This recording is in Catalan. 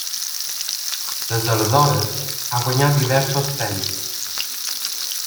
Des d'aleshores, ha guanyat diversos premis.